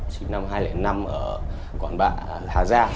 chị năm hai nghìn năm ở quản bạ hà gia